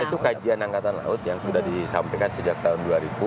itu kajian angkatan laut yang sudah disampaikan sejak tahun dua ribu